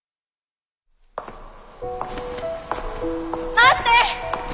待って！